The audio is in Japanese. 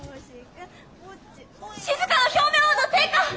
しずかの表面温度低下！